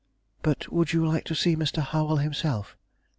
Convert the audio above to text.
But would you like to see Mr. Harwell himself?"